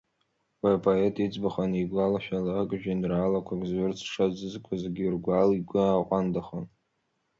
Уи апоет иӡбахә анигәлашәалак, жәеинраалақәак зҩырц зҽазызкуаз Гьыргәал игәы ааҟәандахон.